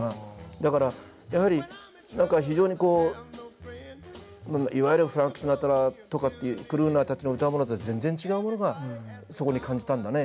だからやはり何か非常にこういわゆるフランク・シナトラとかというクルーナーたちの歌うものとは全然違うものがそこに感じたんだね。